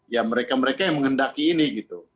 ya mereka mereka yang menghendaki ini gitu